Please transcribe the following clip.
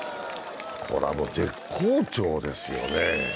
これはもう絶好調ですよね。